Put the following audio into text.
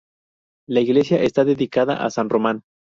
La iglesia está dedicada a san Román.